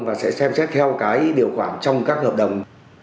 và sẽ xem xét theo cái điều khoản trong các hợp đồng